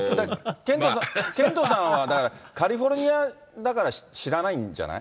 ケントさんは、だから、カリフォルニアだから、知らないんじゃない？